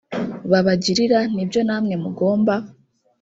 babagirira ni byo namwe mugomba